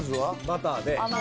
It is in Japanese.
バターで。